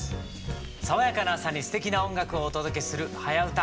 爽やかな朝にすてきな音楽をお届けする「はやウタ」。